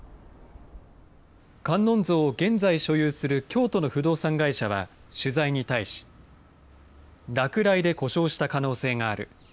観音像を現在所有する京都の不動産会社は取材に対し、落雷で故障した可能性がある。